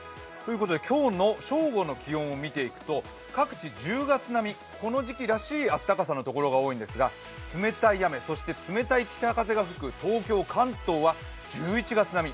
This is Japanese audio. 今日の正午の気温を見ていくと各地１０月並みこの時期らしい暖かさの所が多くなりそうなんでずか、冷たい雨、そして冷たい北風が吹く東京、関東は１１月並み。